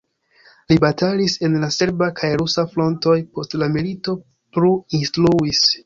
Li batalis en la serba kaj rusa frontoj, post la milito plu instruis.